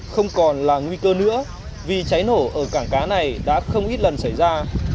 không còn là nguy cơ nữa vì cháy nổ ở cảng cá này đã không ít lần xảy ra